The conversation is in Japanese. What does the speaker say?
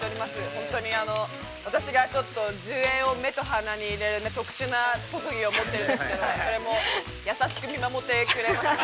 本当にあの、私がちょっと、１０円を目と鼻に入れる特殊な、特技を持ってるんですけど、それも優しく、見守ってくれますね。